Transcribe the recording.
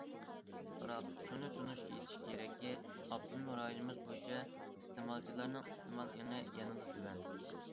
بىراق شۇنى تونۇپ يېتىش كېرەككى، ئاپتونوم رايونىمىز بويىچە ئىستېمالچىلارنىڭ ئىستېمال ئېڭى يەنىلا تۆۋەن.